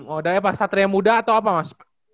oh dari apa satria muda atau apa mas